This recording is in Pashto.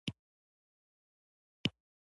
ازادي راډیو د امنیت د منفي اړخونو یادونه کړې.